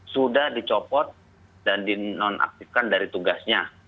sudah dicopot dan dinonaktifkan dari tugasnya